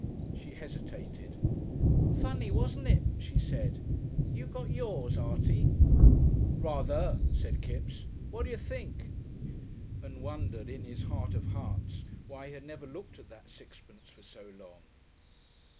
She hesitated. "Funny, wasn't it?" she said, and then, "you got yours, Artie?" "Rather," said Kipps. "What do you think?" and wondered in his heart of hearts why he had never looked at that sixpence for so long.